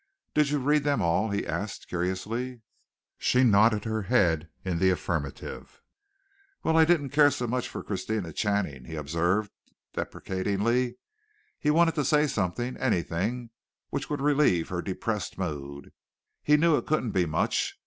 "Did you read them all?" he asked, curiously. She nodded her head in the affirmative. "Well, I didn't care so much for Christina Channing," he observed, deprecatingly. He wanted to say something, anything which would relieve her depressed mood. He knew it couldn't be much.